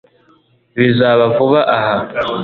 bizaba vuba aha